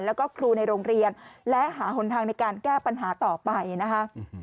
แล้วก็ครูในโรงเรียนและหาหนทางในการแก้ปัญหาต่อไปนะคะ